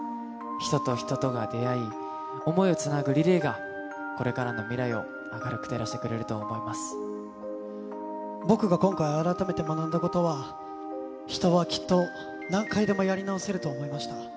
人と人とが出会い、想いをつなぐリレーが、これからの未来を明る僕が今回、改めて学んだことは、人はきっと何回でもやり直せると思いました。